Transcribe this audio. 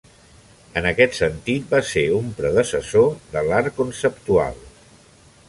En aquest sentit, va ser un predecessor de l'art conceptual.